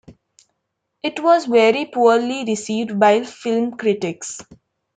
It was very poorly received by film critics.